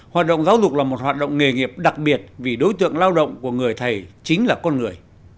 hoạt động giáo dục là một hoạt động nghề nghiệp đặc biệt vì đối tượng lao động của người thầy chính là con người